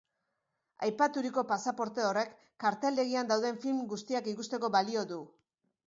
Aipaturiko pasaporte horrek karteldegian dauden film guztiak ikusteko balio du.